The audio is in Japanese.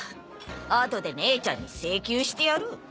あとで姉ちゃんに請求してやる。